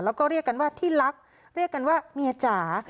แล้วก็เรียกกันว่าที่รักเรียกกันว่าเมียจ๋า